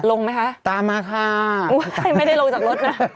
ลงไหมคะไม่ได้ลงจากรถน่ะท่าม่าค่ะ